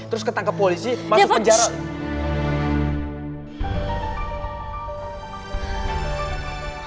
terus ketangkep polisi masuk penjara